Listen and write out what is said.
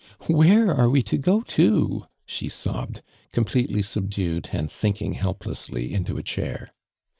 " Where are we to go to?" she sobbed, completely subdued and sinking helplessly into a chair.